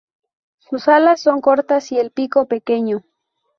Sus alas son cortas y el pico pequeño.